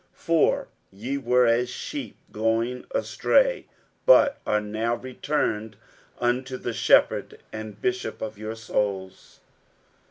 60:002:025 For ye were as sheep going astray; but are now returned unto the Shepherd and Bishop of your souls.